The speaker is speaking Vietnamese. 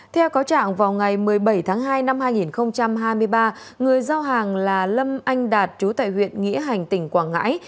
theo cáo trạng vào ngày một mươi bảy tháng hai năm hai nghìn hai mươi ba người giao hàng là lâm anh đạt chú tại huyện nghĩa hành tỉnh quảng ngãi